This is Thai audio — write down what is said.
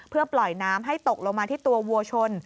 เพื่อปล่อยน้ำให้ตกลงมาที่ตัววัวชน